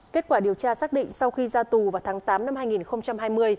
kết quả điều tra xác định sau khi ra tù vào tháng tám năm hai nghìn hai mươi